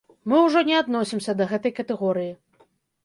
Мы ўжо не адносімся да гэтай катэгорыі.